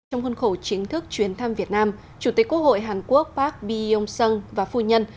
trong khuôn khổ chính thức chuyến thăm việt nam chủ tịch quốc hội hàn quốc park by yong sung và phu nhân